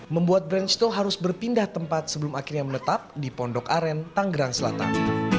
membuat branchto harus berpindah tempat sebelum akhirnya menetap di pondok aren tanggerang selatan